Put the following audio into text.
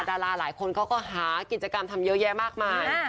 ดาราหลายคนเขาก็หากิจกรรมทำเยอะแยะมากมาย